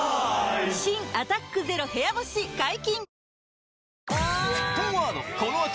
新「アタックＺＥＲＯ部屋干し」解禁‼